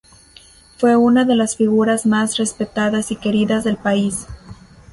Fue una de las figuras más respetadas y queridas del país.